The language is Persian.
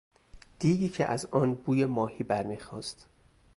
دیگی که از آن بوی ماهی برمیخاست